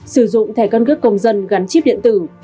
một sử dụng thẻ cân cước công dân gắn chip điện tử